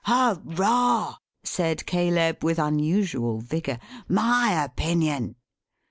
"Hooroar!" said Caleb with unusual vigour. "My opinion!"